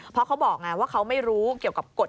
เพราะเขาบอกไงว่าเขาไม่รู้เกี่ยวกับกฎ